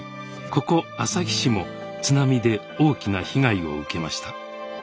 ここ旭市も津波で大きな被害を受けました。